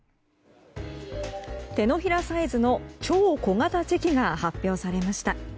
手のひらサイズの超小型チェキが発表されました。